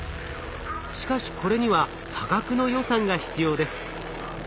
しかしこれには多額の予算が必要です。